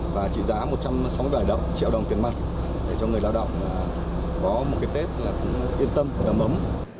và trị giá một trăm sáu mươi bảy triệu đồng tiền mặt để cho người lao động có một cái tết yên tâm đầm ấm